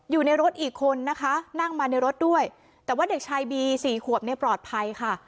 อยู่ในรถอีกคนนะคะนั่งมาในรถด้วยแต่ว่าเด็กชายบีสี่ขวบเนี่ยปลอดภัยค่ะ